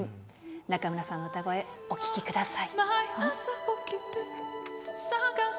中村さんの歌声、お聴きください。